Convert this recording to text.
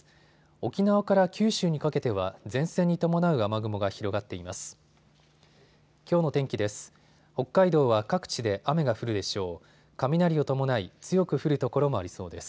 沖縄から九州にかけては前線に伴う雨雲が広がっています。